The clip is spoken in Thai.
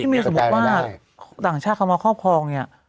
มีสมมติว่าต่างชาติเขามาครอบครอง